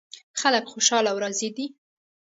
خلک خوشحال او راضي دي